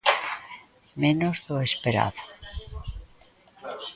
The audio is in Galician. Menos do esperado.